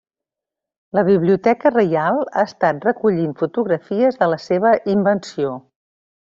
La Biblioteca Reial ha estat recollint fotografies de la seva invenció.